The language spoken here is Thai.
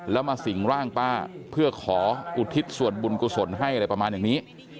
แล้วมาสิ่งร่างป้าเพื่อขออุทิศส่วนบุญกุศลให้อะไรประมาณอย่างนี้